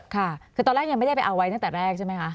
ค่ะคือตอนแรกยังไม่ได้ไปเอาไว้ตั้งแต่แรกใช่ไหมคะ